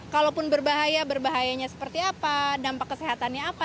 kalaupun berbahaya berbahayanya seperti apa dampak kesehatannya apa